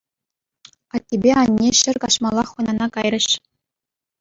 Аттепе анне те ҫӗр каҫмаллах хӑнана кайрӗҫ.